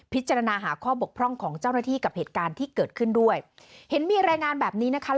พิจารณาหาข้อบกพร่องของเจ้าหน้าที่กับเหตุการณ์ที่เกิดขึ้นด้วยเห็นมีรายงานแบบนี้นะคะ